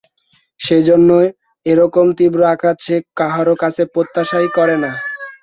সেইজন্য এইপ্রকার তীব্র আঘাত সে কাহারো কাছে প্রত্যাশাই করে না।